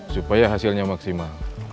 supaya hasilnya maksimal